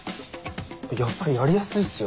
やっぱりやりやすいっすよ